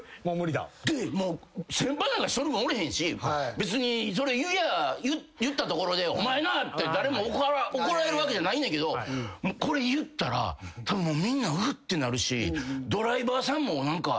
で先輩なんか１人もおれへんし別に言ったところで「お前な！」って誰も怒られるわけじゃないんだけどこれ言ったらたぶんみんな「うっ！」ってなるしドライバーさんも何か「えっ！？」